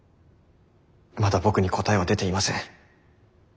まだ僕に答えは出ていません。